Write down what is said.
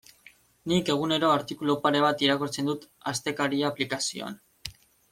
Nik egunero artikulu pare bat irakurtzen dut Astekaria aplikazioan.